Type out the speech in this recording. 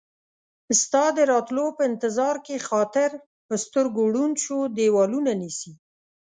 ستا د راتلو په انتظار کې خاطر ، په سترګو ړوند شو ديوالونه نيسي